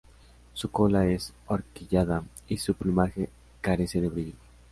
Su cola es ahorquillada y su plumaje carece de brillo.